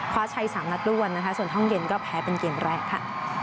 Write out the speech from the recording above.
ชัย๓นัดร่วนนะคะส่วนห้องเย็นก็แพ้เป็นเกมแรกค่ะ